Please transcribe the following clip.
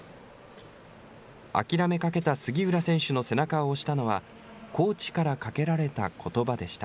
諦めかけた杉浦選手の背中を押したのは、コーチからかけられたことばでした。